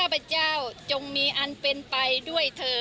สาโชค